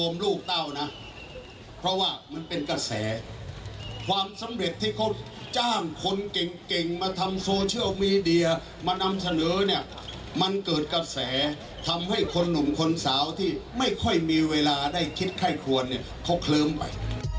มานำเสนอเนี่ยมันเกิดกระแสทำให้คนหนุ่มคนสาวที่ไม่ค่อยมีเวลาได้คิดค่ายควรเนี่ยเขาเคลิ้มไป